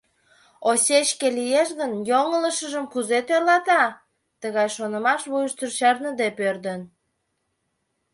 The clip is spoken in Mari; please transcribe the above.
Осечке лиеш гын, йоҥылышыжым кузе тӧрлата?» — тыгай шонымаш вуйыштыжо чарныде пӧрдын.